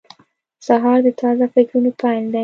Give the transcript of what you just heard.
سهار د تازه فکرونو پیل دی.